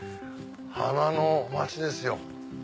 花の街ですよ。